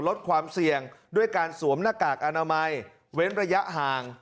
ลดความเสี่ยงด้วยการสวมหน้ากากอนามัยเว้นระยะห่าง